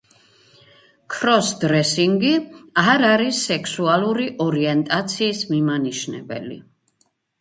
ქროს-დრესინგი არ არის სექსუალური ორიენტაციის მიმანიშნებელი.